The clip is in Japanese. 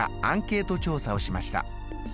アンケート調査をしました。